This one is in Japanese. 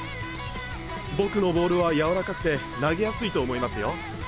僕のボールは柔らかくて投げやすいと思いますよ。